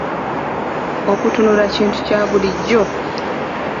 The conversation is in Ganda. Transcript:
Okutunula kintu kya bulijjo.